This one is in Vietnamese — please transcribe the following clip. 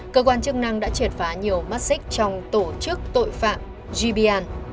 cơ quan chức năng đã triệt phá nhiều mắt xích trong tổ chức tội phạm gb